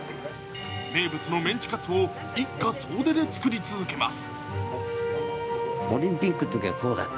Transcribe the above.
名物のメンチカツを一家総出で作り続けます。